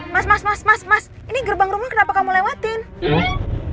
mas mas mas mas mas ini gerbang rumah kenapa kamu lewatin